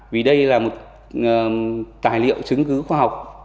vì đây là một tài liệu chứng cứ khoa học